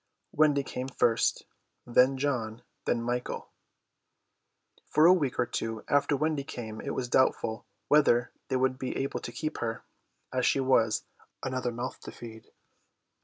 Wendy came first, then John, then Michael. For a week or two after Wendy came it was doubtful whether they would be able to keep her, as she was another mouth to feed.